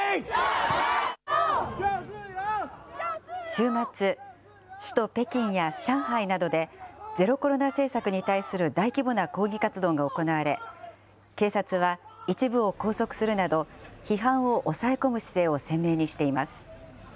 週末、首都北京や上海などで、ゼロコロナ政策に対する大規模な抗議活動が行われ、警察は一部を拘束するなど、批判を抑え込む姿勢を鮮明にしています。